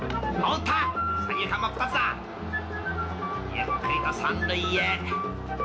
［ゆっくりと三塁へ］